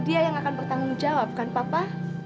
dia yang akan bertanggung jawab kan papa